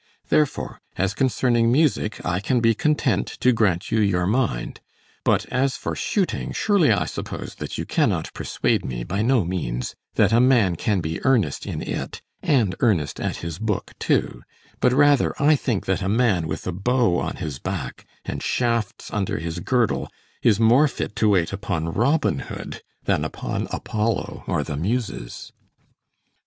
Therefore, as concerning music, I can be content to grant you your mind; but as for shooting, surely I suppose that you cannot persuade me, by no means, that a man can be earnest in it, and earnest at his book too; but rather I think that a man with a bow on his back, and shafts under his girdle, is more fit to wait upon Robin Hood than upon Apollo or the Muses.